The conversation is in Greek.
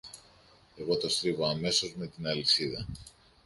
Εγώ το στρίβω αμέσως με την αλυσίδα